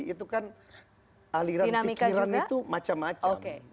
itu kan aliran pikiran itu macam macam